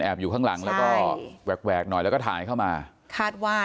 อยู่ข้างหลังแล้วก็แหวกแหวกหน่อยแล้วก็ถ่ายเข้ามาคาดว่า